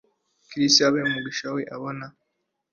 Chris hafi buri gihe abona umwanya mugihe